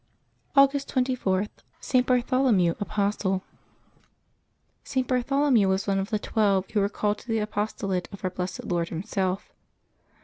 August 24.— ST. BARTHOLOMEW, Apostle. ,T. Bartholomew was one of the twelve who were called to the apostolate by our blessed Lord Himself.